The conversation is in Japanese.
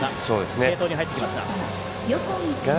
継投に入ってきました。